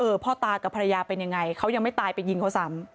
พ่อตากับภรรยาเป็นยังไงเขายังไม่ตายไปยิงเขาซ้ำ